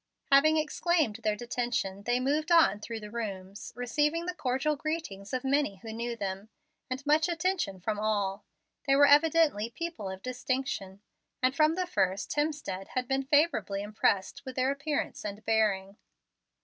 Having explained their detention, they moved on through the rooms, receiving the cordial greetings of many who knew them, and much attention from all. They were evidently people of distinction, and from the first Hemstead had been favorably impressed with their appearance and bearing.